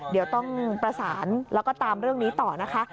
เดี๋ยวต้องประสานแล้วก็ตามเรื่องนี้ต่อนะคะ